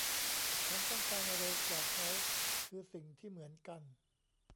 ฉันต้องการเร็วกว่าเค้าคือสิ่งที่เหมือนกัน